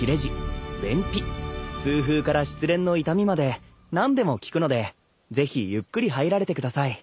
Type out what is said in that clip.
便秘痛風から失恋の痛みまで何でも効くのでぜひゆっくり入られてください。